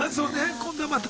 今度また。